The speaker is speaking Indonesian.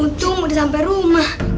untung udah sampe rumah